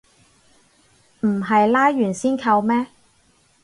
唔係拉完先扣咩